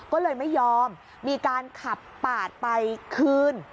ก็เลยไม่ยอมมีการขับปาดไปคืน